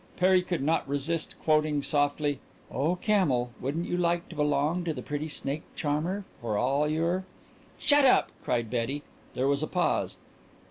Perry could not resist quoting softly: "'Oh, camel, wouldn't you like to belong to the pretty snake charmer for all your '" "Shut up!" cried Betty. There was a pause.